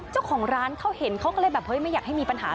เจ้าของร้านเขาเห็นเขาก็เลยแบบเฮ้ยไม่อยากให้มีปัญหา